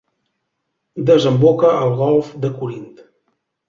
Desemboca al Golf de Corint.